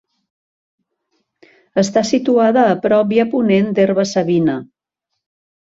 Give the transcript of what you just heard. Està situada a prop i a ponent d'Herba-savina.